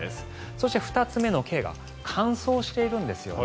そして、２つ目のＫが乾燥しているんですよね。